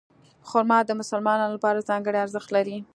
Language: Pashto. خرما د مسلمانانو لپاره ځانګړی ارزښت لري.